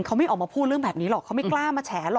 เขาไม่ออกมาพูดเรื่องแบบนี้หรอกเขาไม่กล้ามาแฉหรอก